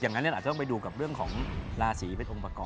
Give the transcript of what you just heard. งั้นเราอาจจะต้องไปดูกับเรื่องของราศีเป็นองค์ประกอบ